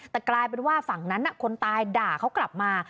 แต่กลายเป็นว่าฝั่งนั้นคนตายด่าเขากลับมา